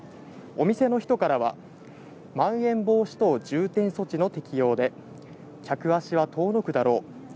お店の人からは、まん延防止等重点措置の適用で、客足は遠のくだろう。